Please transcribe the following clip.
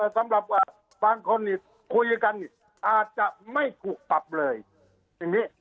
สำหรับว่าบางคนนี่คุยกันอาจจะไม่ถูกปรับเลยทีนี้